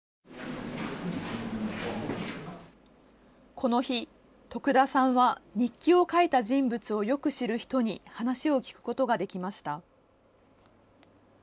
この日、徳田さんは日記を書いた人物をよく知る人に話を聞くことができました。